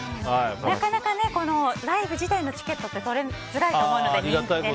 なかなかライブ自体のチケットってとりづらいと思うので、人気で。